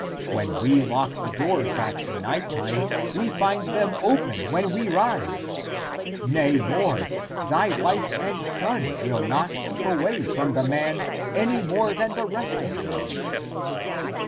When we lock the doors at the night time, we find them opened when we rise. Nay, more; thy wife and son will not keep away from the man any more than the rest of them."